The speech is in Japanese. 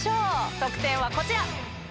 得点はこちら。